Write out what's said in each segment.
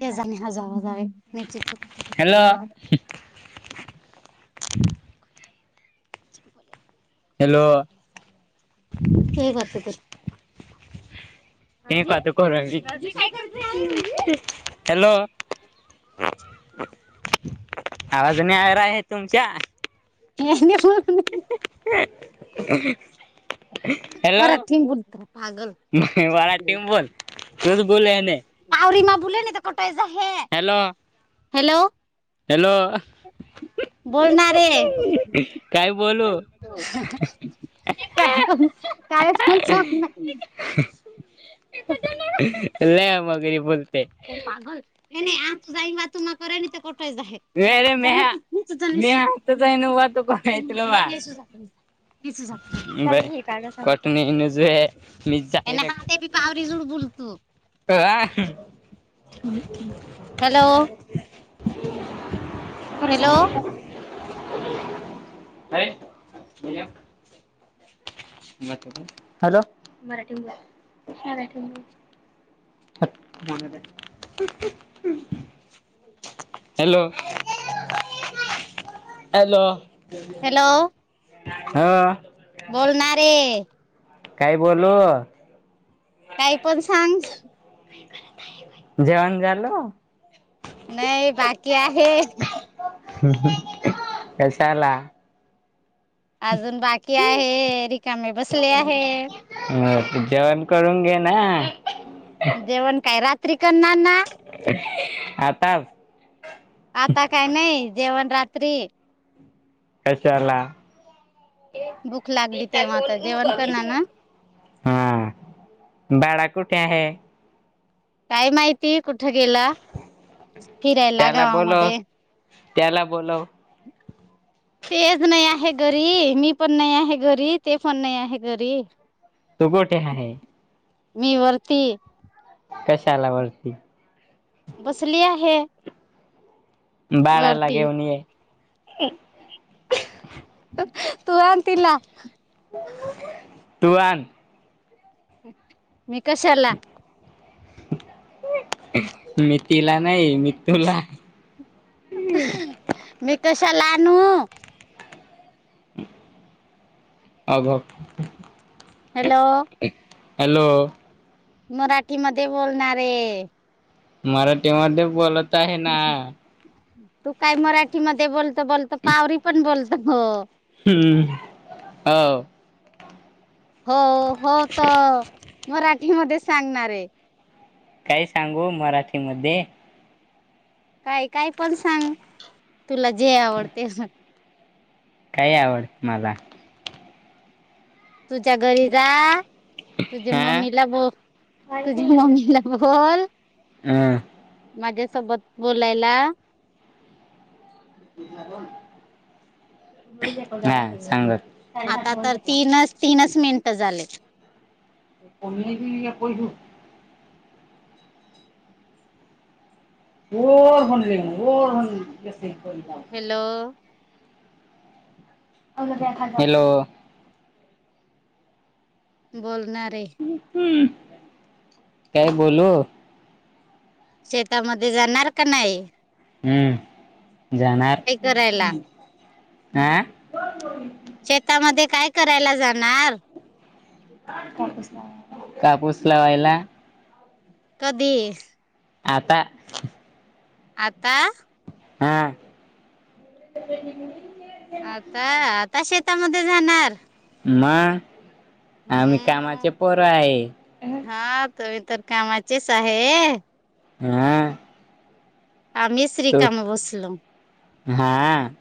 ते जाणी हजारजार नेतृत्. हॅलो हॅलो हे आतत ते पात करी हॅलो आवाज नयवर आहे तुमच्या.. ह ह वर तिंग बडत पगल.. नाही मराठीत बोल तुस बोले ह... आवरिमा बुले नाही तर कटोय जा.. हॅलो हॅलो... हॅलो.. बोलणार रे काय बोलू काय..... कायच म्होल.... ल मगरी बोल.... मागल नाही आ तू जा वातू करा मेरे मेहा मी हातच आहे न ते.... आहे... बर कटणी नज आहे. आणि ह ते बी पावररी जुड बुलतो. अ... हॅलो... हॅलो! अरे हॅलो मराठी बोल. [unintelligible] Hello hello! हॅलो हा. बोलणा रे! काय बोलू? काही पण सांग! जेवण झाल? नाही बाकी आहे. कशाला? अजून बाकी आहे, रिकामे बसले आहे. अ जेवण करून घेना! जेवण काय रात्री करणार ना! आता आता काय नाही जेवण रात्री कशाला? भूक लागली तेव्हा आता जेवण करणार ना हा बाळा कुठे आहे? काय माहिती कुठे गेला फिरायला त्याला बोलव गावामध्ये त्याला बोलव! [unintelligible] तेच नाही आहे घरी मी पण नाही आहे घरी ते पण नाही आहे घरी. तू गोठे आहे? मी वर्ती! कशाला वरती? बसली आहे. बाळाला वरती घेऊन ये! तू आणतीला तु आण! मि कशला? मि तीला नाही मी तुला मी कशाला आणू? आग! हॅलो! हॅलो! मराठी मधे बोलणारे! मराठीमध्ये बोलत आहे ना तू काय मराठी मधे बोलत बोलत पावरी पण बोलतो. हम्म, हो. हो हो तर मराठीमध्ये सांगणार आहे. काय सांगू मराठी मध्ये? काय काय पण सांग तुला जे आवडते ते काय आवडते मला? तुझ्या घरी राह तुझ्या मम्मीला हा बो तुझ्या मम्मीला बोल माझ्यासोबत बोलायला. हा सांग आता तर तीनच तीनच मिनिटं झालेत. [unintelligible] [unintelligible] हॅलो! हॅलो. बोलणारे. काय बोलू. शेतामध्ये जाणार का नाही. हम्म जाणार. काय करायला. हो. शेतामध्ये काय करायला जाणार. कापूस लावायला. कधी. आता. आता. हा. [unintelligible] आता आता शेतामध्ये जाणार. मग आम्ही कामाचे हम्म. पोर आहे. हा तुम्ही तर कामाचेच आहे. हा. आम्ही च तू रीकाम बसलो. हा.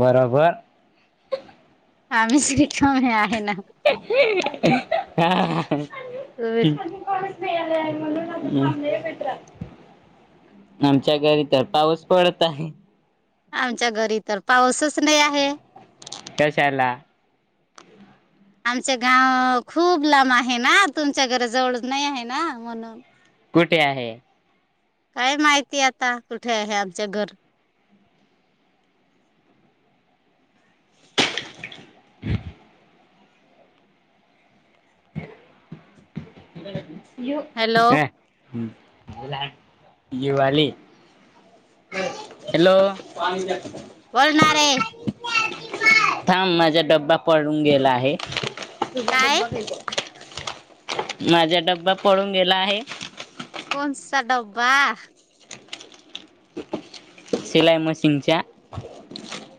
बरोबर. आम्ही च रिकामे हे आहे ना. हा. तुम्ही- म्हणून थांबले एकत्र आमच्या घरी तर पाऊस पडत आहे. आमच्या घरी तर पाऊसच नाही आहे. कशाला आमच गाव खूप लांब आहे ना तुमच्या घराजवळच नाही आहे ना म्हणून. कुठे आहे. काय माहिती आता कुठे आहे आमच्या घर. ह. ह. हॅलो दिवाली. हॅलो. बोलणार रे. थांब माझा डबबा पडून गेला आहे. काय माझा डब्बा पळून गेला आहे. कोणसा डब्बा. शिलाई मेशीनच्या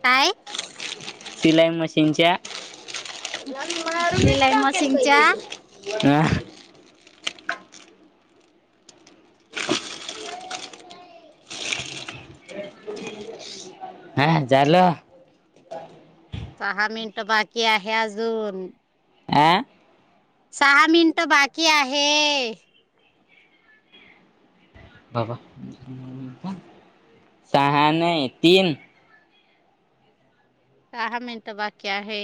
काय. सिलाई मशीनच्या. सिलाई मशीनच्या का. हा झाल. सहा मिनट बाकी आहे अजून. आह. सहा मिनिट बाकी आहे. बाबा सहाण तीन. सहा मिनिटं बाकी आहे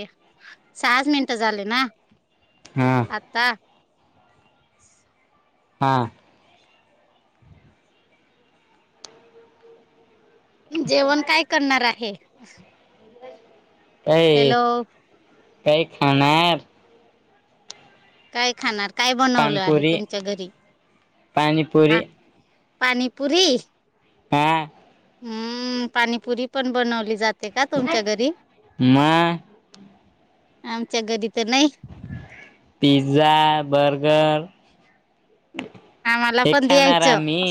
सहाच मिनिटं झाले ना. हा. आत्ता. हा. जेवण काय करणार आहे? काय हॅलो काही खाणार. काय खाणार काय बनवलं आहे पानपुरी तुमच्या घरी हा? पाणीपुरी पानीपुरी हा. हम्म पाणीपुरी पण बनवली जाते का तुमच्या घरी? मग आमच्या घरी तर नाही. पि्झा बर्गर आम्हाला हे पण खाणार द्यायचं आम्ही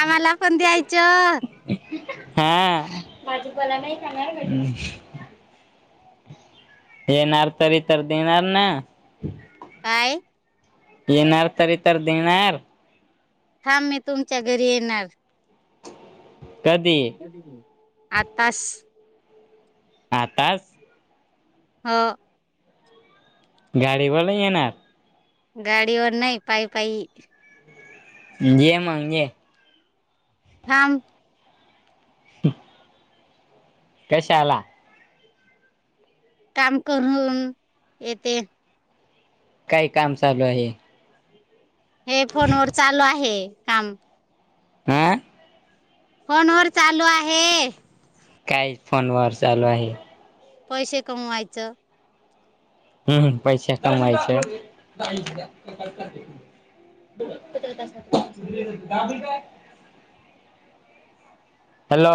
आम्हाला पण द्यायचं हा. येणार तरी तर देणार ना? काय? येणार तरी तर देणार? थांब मी तुमच्या घरी येणार. कधी? आतास. आताच हो गाडीवाला येणार गाडीवर नाही पाय पाय. ये मग ये. हम. [inaudible] कशाला? काम करून येते. काय काम चालू आहे? हे फोन वर चालू आहे काम. हां फोन वर चालू आहे. काय फोन वर चालू आहे? पैसे कमवायचं. हम्म पैसा कमायचे. [inaudible] हॅलो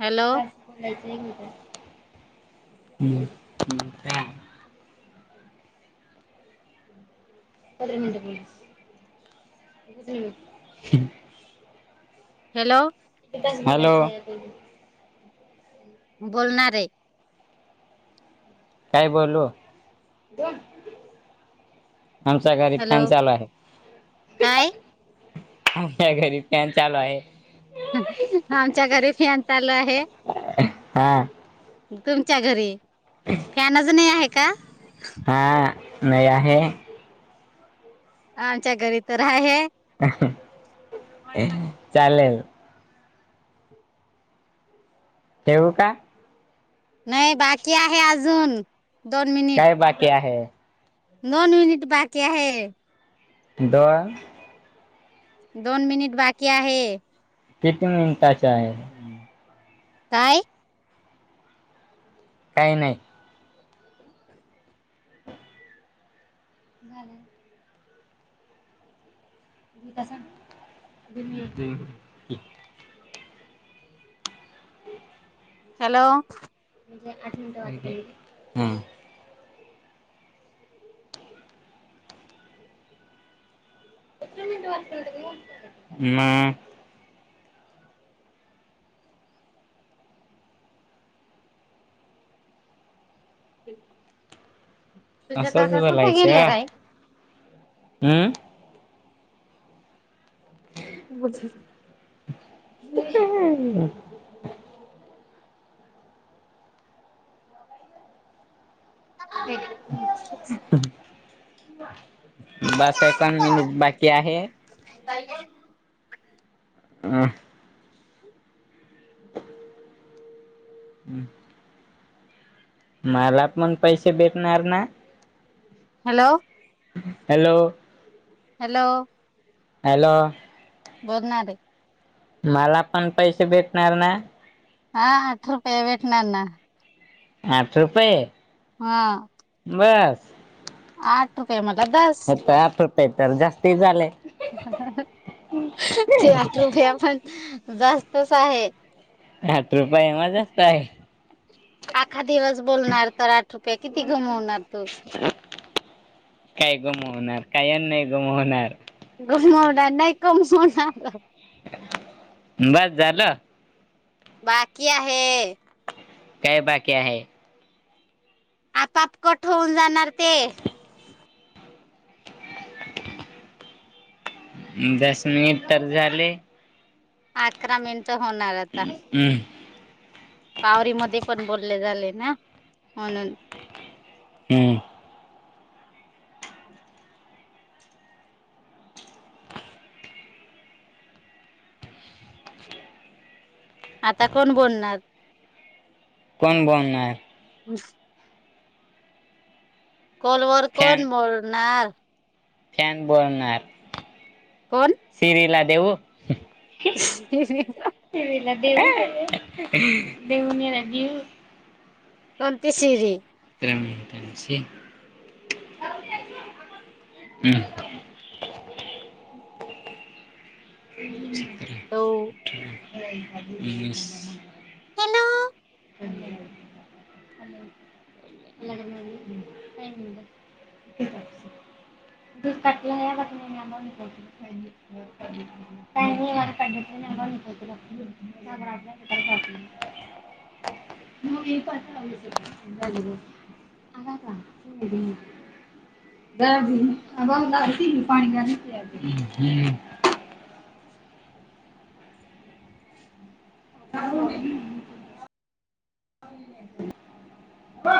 हॅलो [inaudible] पंधरा मिनिट बोल. हॅलो हॅलो बोलणार आहे. काय बोलू? आमच्या घरी हॅलो फॅन चालू आहे. काय आमचा घरी फॅन चालू आहे. आमच्या घरी फॅन चालू आहे. हा. तुमच्या घरी फॅनच नाही आहे का? हां नाही आहे. आमच्या घरी तर आहे. चालेल. ठेव का? नाही बाकी आहे अजून दोन मिन बाकी्या आहे. दोन मिनिट बाकी आहे. दहा. दोन मिनिट बाकी आहे. किती. आहे [inaudible] काय? काही नाही. झालं. कसा? हो. हॅलो. म्हणजे अठंड वाट. [unintelligible] [unintelligible] तुझे असंच काका कुठे गेले बोलायचं राय हम्म. [unintelligible] अच्. बस एकण मिन बाकी आहे. काय? आह. हम्म. मला पण पैसे भेटणार ना. हॅलो. हॅलो. हॅलो. हॅलो. बघणारे. मला पण पैसे भेटणार ना. हा आठ रुपये भेट ना ना. आठ रुपये. हा. बस. आठ रुपये मट द. हो तर आठ रुपये तर जास्ती झाले. ते आठ रुपया पण जास्तच आहेत. आठ रुपय म- आखा दिवस बोलणार तर आठ रुपया किती गमवणार तू. काय कमवणार काय नाही कमवणार. रला नाही कम होन आला. [inaudible] बास झालं. बाकी आहे. काय बाकी आहेै. आपापकट होऊन जाणार ते. अ. दस मिनिट तर झाले. अकरा मिनिट होणार. आता हमं. पावरी म पण बोलले झाले ना म्हणून. हम्म. आता कोण बोलणार. कोण बोलणार. ह कॉल वर कोण फॅन बोलणार. फॅन बोलणार. कोण? सिरला देऊ [unintelligible] [unintelligible] तला देव देवनीला नीऊ [unintelligible] कोती शिरी. त्यांची ह [unintelligible] सत अठरा उनीस [unintelligible] हॅलो. का [unintelligible] तस करतेकी [unintelligible] का क [unintelligible] म म पा झा [unintelligible] आला का हं हं. द पाणी ग आ [unintelligible] आहो [unintelligible] ब